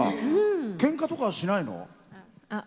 けんかとかはしないの？